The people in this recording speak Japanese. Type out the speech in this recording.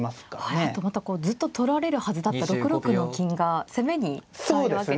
はいあとまたずっと取られるはずだった６六の金が攻めに使えるわけですね。